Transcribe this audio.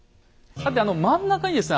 さて真ん中にですね